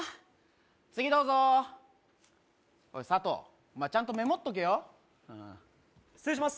次どうぞおいサトウお前ちゃんとメモっとけよ失礼します